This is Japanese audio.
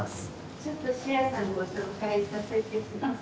ちょっとシェアさんご紹介させて下さい。